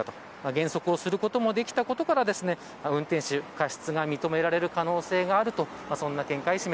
減速をすることもできたことから運転手の過失が認められる可能性がある。